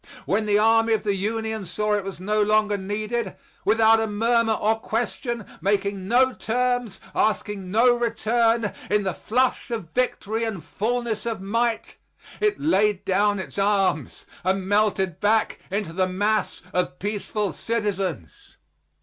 When the army of the Union saw it was no longer needed, without a murmur or question, making no terms, asking no return, in the flush of victory and fulness of might, it laid down its arms and melted back into the mass of peaceful citizens.